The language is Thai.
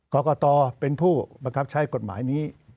กรกตเป็นผู้บังคับใช้กฎหมายนี้